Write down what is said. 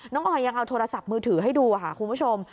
ออยยังเอาโทรศัพท์มือถือให้ดูค่ะคุณผู้ชม